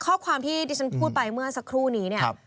ข้อความที่ดิฉันพูดไปเมื่อสักครู่นี้เนี่ย